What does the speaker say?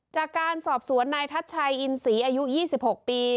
จากการสอบสวนนายทัชชัยอินศรีอายุ๒๖ปี